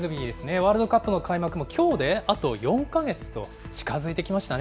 ワールドカップの開幕もきょうであと４か月と近づいてきましたね。